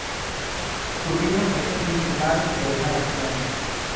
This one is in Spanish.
Su vino es el principal de esa región.